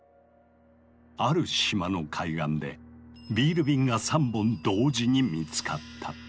ある島の海岸でビール瓶が３本同時に見つかった。